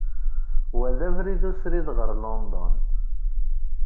Wa d abrid usrid ɣer London.